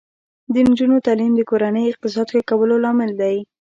د نجونو تعلیم د کورنۍ اقتصاد ښه کولو لامل دی.